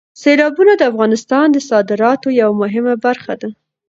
سیلابونه د افغانستان د صادراتو یوه مهمه برخه ده.